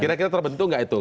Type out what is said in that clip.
kira kira terbentuk nggak itu